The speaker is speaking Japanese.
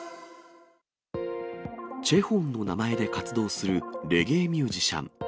ホンの名前で活動するレゲエミュージシャン。